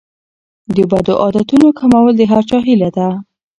د بدو عادتونو کمول د هر چا هیله ده.